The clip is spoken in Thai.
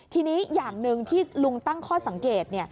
ทีนี้อย่างหนึ่งที่ลุงตั้งข้อสังเกต